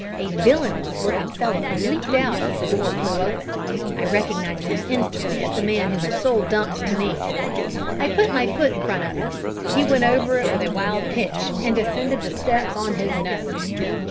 A villainous looking fellow leaped out as the door flew open. I recognised him instantly as the man who had sold Dumps to me. I put my foot in front of him. He went over it with a wild pitch, and descended the steps on his nose!